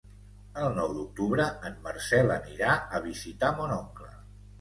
El nou d'octubre en Marcel anirà a visitar mon oncle.